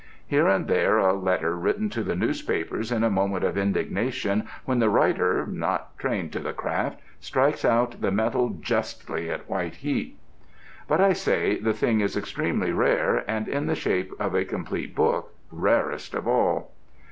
Here and there a letter written to the newspapers in a moment of indignation when the writer, not trained to the craft, strikes out the metal justly at white heat. But, I say, the thing is extremely rare, and in the shape of a complete book rarest of all.